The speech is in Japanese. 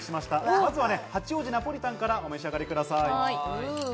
まずは八王子ナポリタンからお召し上がりください。